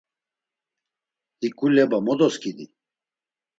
Hiǩu leba mo doskidi?